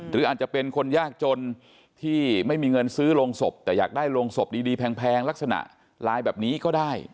หรืออาจจะเป็นคนยากจนที่ไม่มีเงินซื้อโรงศพแต่อยากได้โรงศพดีแพงลักษณะลายแบบนี้ก็ได้